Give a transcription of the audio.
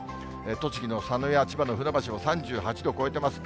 栃木の佐野や千葉の船橋も３８度超えてます。